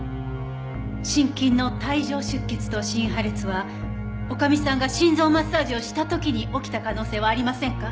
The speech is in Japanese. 心筋の帯状出血と心破裂は女将さんが心臓マッサージをした時に起きた可能性はありませんか？